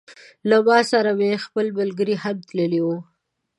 له ما سره مې خپل ملګري هم تللي وه.